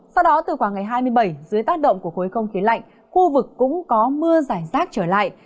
sau đó từ khoảng ngày hai mươi bảy dưới tác động của khối không khí lạnh khu vực cũng có mưa giải rác trở lại